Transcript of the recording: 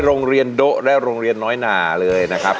โรงเรียนโด๊ะและโรงเรียนน้อยหนาเลยนะครับ